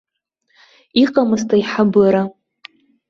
Иҟамызт аиҳабыра.